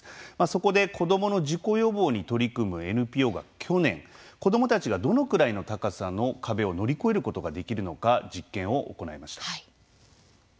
そこで、子どもの事故予防に取り組むＮＰＯが去年子どもたちがどのぐらいの高さの壁を乗り越えることができるのか実験を行いました。